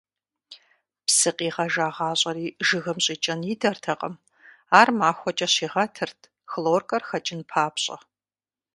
Псы къигъэжагъащӀэри жыгым щӀикӀэн идэртэкъым, ар махуэкӀэ щигъэтырт, хлоркэр хэкӀын папщӀэ.